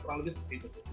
kurang lebih seperti itu